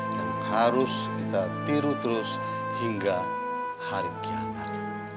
yang harus kita tiru terus hingga hari kiamat